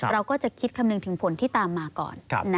เราก็จะคิดคำนึงถึงผลที่ตามมาก่อน